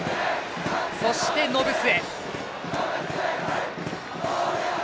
そして、延末。